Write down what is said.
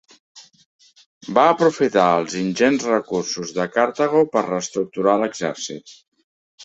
Va aprofitar els ingents recursos de Cartago per reestructurar l'exèrcit.